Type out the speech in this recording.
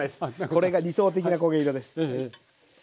これが理想的な焦げ色です。